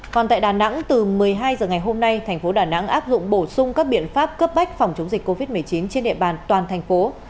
còn tại đà nẵng từ một mươi hai h ngày hôm nay thành phố đà nẵng áp dụng bổ sung các biện pháp cấp bách phòng chống dịch covid một mươi chín trên địa bàn toàn thành phố